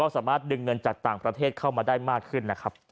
สามารถดึงเงินจากต่างประเทศเข้ามาได้มากขึ้นนะครับ